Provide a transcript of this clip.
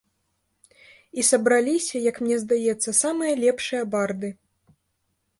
І сабраліся, як мне здаецца, самыя лепшыя барды.